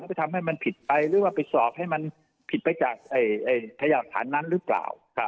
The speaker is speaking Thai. ไปทำให้มันผิดไปหรือว่าไปสอบให้มันผิดไปจากพยากฐานนั้นหรือเปล่า